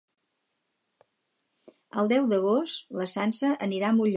El deu d'agost na Sança anirà a Molló.